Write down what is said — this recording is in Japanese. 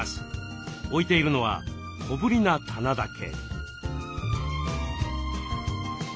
置いているのは小ぶりな棚だけ。